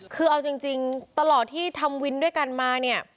คือเอาจริงตลอดที่ทำวินด้วยกันมาเนี่ย